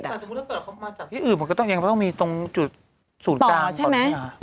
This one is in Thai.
แต่ถ้าเกิดเขามาจากที่อื่นผมก็ต้องมีตรงสูตรกลาง